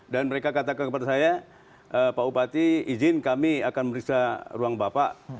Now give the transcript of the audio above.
dan mereka katakan kepada saya pak bupati izin kami akan merisa ruang bapak